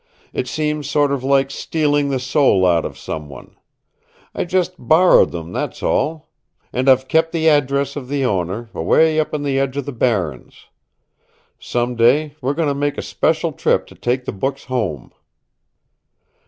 It seems sort of like stealing the soul out of someone. I just borrowed them, that's all. And I've kept the address of the owner, away up on the edge of the Barrens. Some day we're going to make a special trip to take the books home."